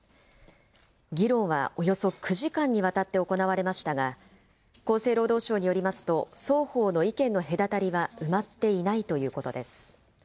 議論はおよそ９時間にわたって行われましたが、厚生労働省によりますと、双方の意見の隔たりは埋まっていないということです。